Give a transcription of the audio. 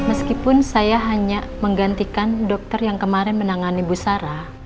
meskipun saya hanya menggantikan dokter yang kemarin menangani busara